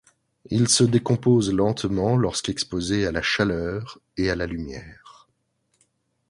Il se décompose lentement lorsqu'exposé à la chaleur et à la lumière.